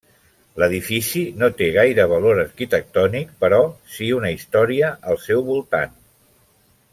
L'edifici no té gaire valor arquitectònic, però sí una història al seu voltant.